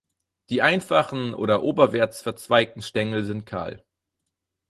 Die einfachen oder oberwärts verzweigten Stängel sind kahl.